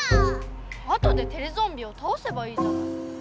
後でテレゾンビをたおせばいいじゃない。